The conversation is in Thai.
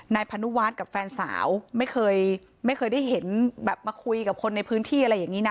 นายพันธุวาสกับแฟนสาวไม่เคยได้เห็นมาคุยกับคนในพื้นที่อะไรอย่างนี้นะ